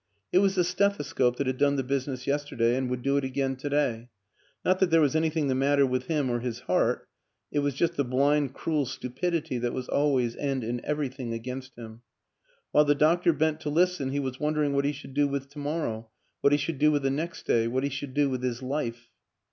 It was the stethoscope that Jiad done the business yesterday, and would do it again to day; not that there was anything the matter with him or his heart it was just the blind cruel stupidity that was always and in everything against him. ... While the doctor bent to listen he was wondering what he should do with to morrow, what he should do with the next day, what he should do with his life!